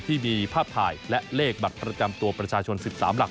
ที่มีภาพถ่ายและเลขบัตรประจำตัวประชาชน๑๓หลัก